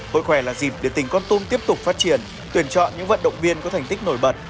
hội khỏe là dịp để tỉnh con tum tiếp tục phát triển tuyển chọn những vận động viên có thành tích nổi bật